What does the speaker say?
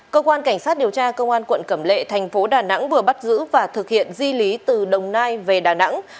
công an cảnh sát điều tra công an quận cẩm lệ thành phố đà nẵng vừa bắt giữ và thực hiện di lý từ đông nai về đà nẵng